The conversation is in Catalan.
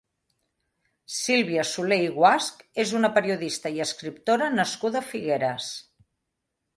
Sílvia Soler i Guasch és una periodista i escriptora nascuda a Figueres.